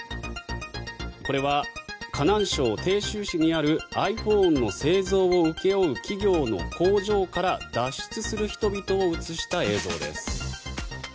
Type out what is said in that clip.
これは河南省鄭州市にあるｉＰｈｏｎｅの製造を請け負う企業の工場から脱出する人々を映した映像です。